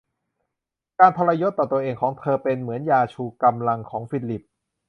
การทรยศต่อตัวเองของเธอเป็นเหมือนยาชูกำลังของฟิลิป